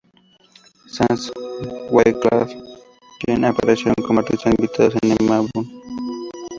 Sanz y Wyclef Jean aparecieron como artista invitados en el álbum.